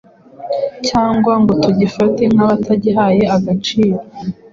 cyangwa ngo tugifate nk’abatagihaye agaciro.